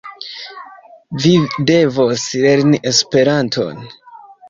Vi devos lerni Esperanton.